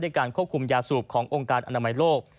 การควบคุมยาสูบขององค์การอนามัยโลก